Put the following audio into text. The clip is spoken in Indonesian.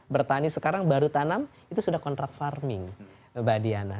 bertani sekarang baru tanam itu sudah kontrak farming mbak diana